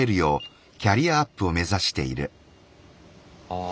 ああ。